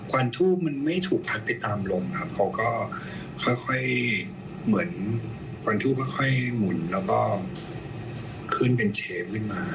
วันทูบมันไม่ถูกพัดไปตามลมครับเขาก็ค่อยเหมือนควันทูบค่อยหมุนแล้วก็ขึ้นเป็นเชฟขึ้นมา